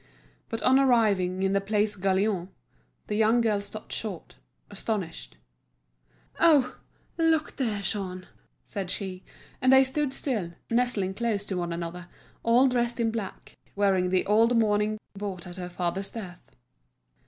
But on arriving in the Place Gaillon, the young girl stopped short, astonished. "Oh! look there, Jean," said she; and they stood still, nestling close to one another, all dressed in black, wearing the old mourning bought at their father's death.